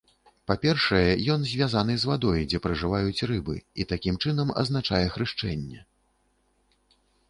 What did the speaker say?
Па першае, ён звязаны з вадой, дзе пражываюць рыбы, і такім чынам азначае хрышчэнне.